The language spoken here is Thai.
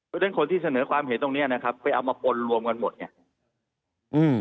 เพราะฉะนั้นคนที่เสนอความเห็นตรงเนี้ยนะครับไปเอามาปนรวมกันหมดเนี่ยอืม